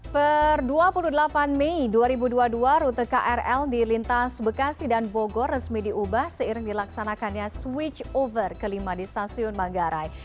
per dua puluh delapan mei dua ribu dua puluh dua rute krl di lintas bekasi dan bogor resmi diubah seiring dilaksanakannya switch over kelima di stasiun manggarai